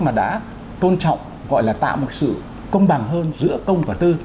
mà đã tôn trọng gọi là tạo một sự công bằng hơn giữa công và tư